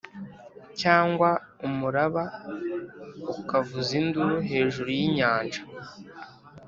cyangwa umuraba ukavuza induru hejuru y'inyanja;